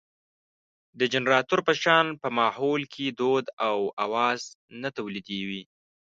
د جنراتور په شان په ماحول کې دود او اواز نه تولېدوي.